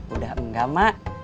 udah enggak mak